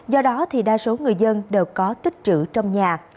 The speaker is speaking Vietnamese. do đó thì đa số người dân đều có tích trữ trong nhà